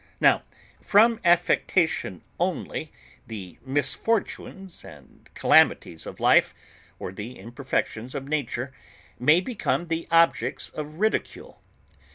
Now, from affectation only, the misfortunes and calamities of life, or the imperfections of nature, may become the objects of ridicule.